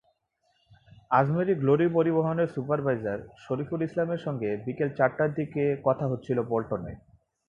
Ajmeri Glory পরিবহনের supervisor Shariful ইসলামের সঙ্গে বিকেল চারটার দিকে কথা হচ্ছিল পল্টনে।